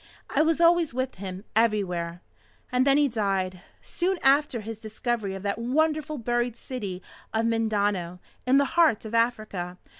I was always with him, everywhere. And then he died, soon after his discovery of that wonderful buried city of Mindano, in the heart of Africa.